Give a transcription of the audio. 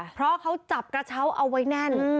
เพราะเขาจับกระเช้าเอาไว้แน่น